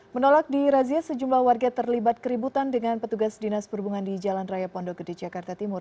menolak di razia sejumlah warga terlibat keributan dengan petugas dinas perhubungan di jalan raya pondok gede jakarta timur